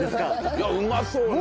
いやうまそうね！